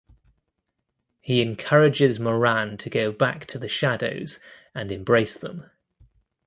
He encourages Moran to go back to the shadows and embrace them.